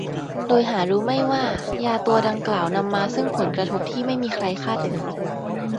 โดยหารู้ไม่ว่ายาตัวดังกล่าวนำมาซึ่งผลกระทบที่ไม่มีใครคาดถึง